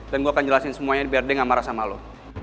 dan gue akan jelasin semuanya biar dia gak marah sama lo